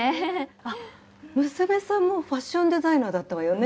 あっ娘さんもファッションデザイナーだったわよね？